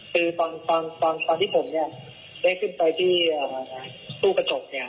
คือตอนที่ผมเนี่ยได้ขึ้นไปที่ตู้กระจกเนี่ย